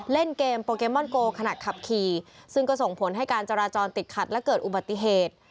เล่นเกมโปเกมอนโกขณะขับขี่ซึ่งก็ส่งผลให้การจราจรติดขัดและเกิดอุบัติเหตุ